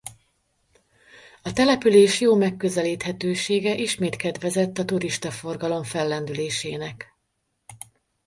A település jó megközelíthetősége ismét kedvezett a turistaforgalom fellendülésének.